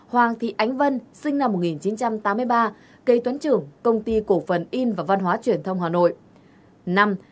ba hoàng thị ánh vân sinh năm một nghìn chín trăm tám mươi ba cây toán trưởng công ty cổ phần in và văn hóa truyền thông hà nội